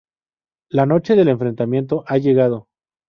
La noche del enfrentamiento ha llegado.